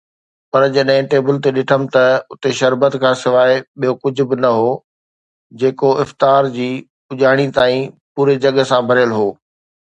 پر جڏهن ٽيبل تي ڏٺم ته اتي شربت کان سواءِ ٻيو ڪجهه به نه هو، جيڪو افطار جي پڄاڻيءَ تائين پوري جڳ سان ڀريل هو.